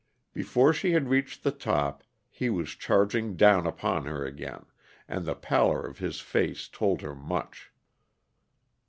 Before she had reached the top, he was charging down upon her again, and the pallor of his face told her much.